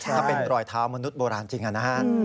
ถ้าเป็นรอยเท้ามนุษย์โบราณจริงนะฮะ